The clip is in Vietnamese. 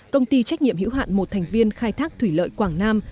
công ty trách nhiệm hữu hạn một thành viên khai thác thủy lợi quảng nam